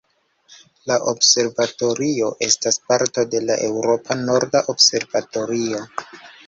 La Observatorio estas parto de la Eŭropa norda observatorio.